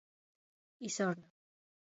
Isorna.